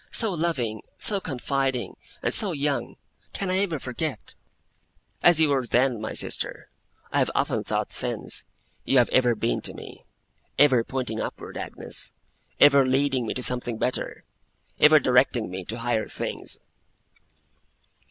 'So loving, so confiding, and so young! Can I ever forget?' 'As you were then, my sister, I have often thought since, you have ever been to me. Ever pointing upward, Agnes; ever leading me to something better; ever directing me to higher things!